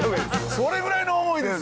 それぐらいの思いですよ。